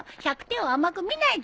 １００点を甘く見ないでよ。